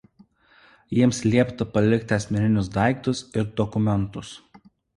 Jiems liepta palikti asmeninius daiktus ir dokumentus.